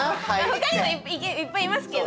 ほかにもいっぱいいますけど。